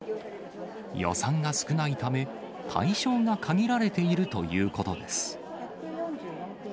予算が少ないため、対象が限られているということです。